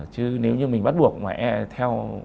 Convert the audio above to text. chứ nếu như mình bắt buộc ngoại e theo